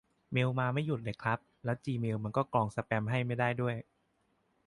เมลมาไม่หยุดเลยครับ แล้วจีเมลมันก็กรองสแปมให้ไม่ได้ด้วย